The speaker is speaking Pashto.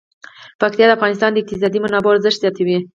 پکتیا د افغانستان د اقتصادي منابعو ارزښت زیاتوي.